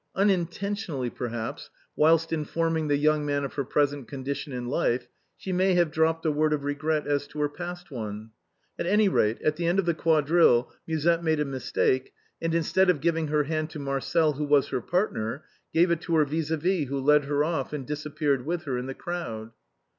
Unintentionally, perhaps, whilst informing the young fellow of her present condition in life, she may have dropped a word of regret as to her past one. x\t any rate, at the end of the quadrille Musette made a mistake, and instead of giving her hand to Marcel, who was her partner, gave it to her vis a vis, who led her off, and disappeared with her in the crowd.